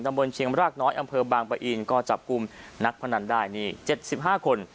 ดำบนเชียงรากน้อยอำเภอบางปะอีนก็จับกลุ่มนักพนันได้นี่เจ็ดสิบห้าคน